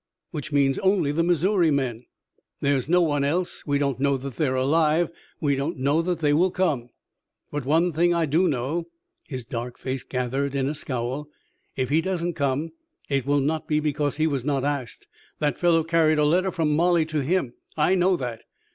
"Which means only the Missouri men!" "There's no one else. We don't know that they're alive. We don't know that they will come." "But one thing I do know" his dark face gathered in a scowl "if he doesn't come it will not be because he was not asked! That fellow carried a letter from Molly to him. I know that.